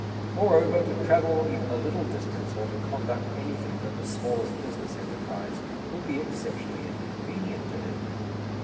Moreover, to travel even a little distance or to conduct anything but the smallest business enterprise will be exceptionally inconvenient to him.